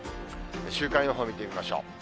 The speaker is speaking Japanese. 週間予報を見てみましょう。